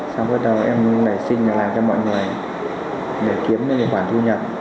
xong bắt đầu em lại xin làm cho mọi người để kiếm được một khoản thu nhập